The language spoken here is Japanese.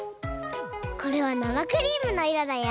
これはなまクリームのいろだよ！